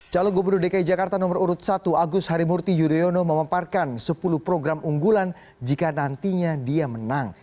calon gubernur dki jakarta nomor urut satu agus harimurti yudhoyono memamparkan sepuluh program unggulan jika nantinya dia menang